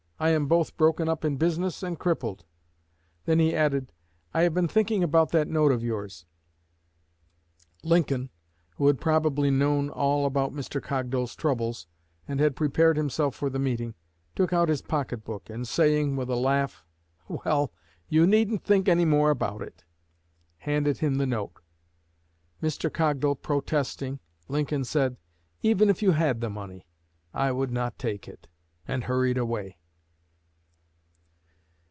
"I am both broken up in business and crippled." Then he added, "I have been thinking about that note of yours." Lincoln, who had probably known all about Mr. Cogdal's troubles, and had prepared himself for the meeting, took out his pocket book, and saying, with a laugh, "Well you needn't think any more about it," handed him the note. Mr. Cogdal protesting, Lincoln said, "Even if you had the money, I would not take it," and hurried away.